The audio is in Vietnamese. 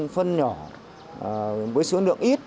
phân nhỏ với số lượng ít